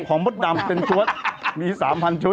ของมดดำเป็นชุดมีสามพันชุด